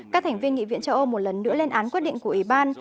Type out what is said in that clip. các thành viên nghị viện châu âu một lần nữa lên án quyết định của uban